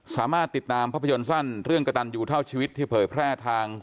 สามารถติดตามภาพยนตร์สั้นเรื่องกระตันยูเท่าชีวิตที่เผยแพร่ทาง